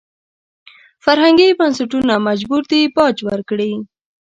فرهنګي بنسټونه مجبور دي باج ورکړي.